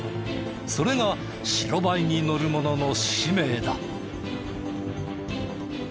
それが白バイに乗る者の使命だ。